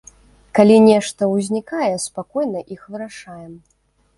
Калі нешта ўзнікае, спакойна іх вырашаем.